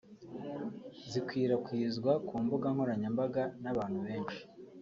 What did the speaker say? … zikwirwakwizwa ku mbuga nkoranyambaga n’abantu benshi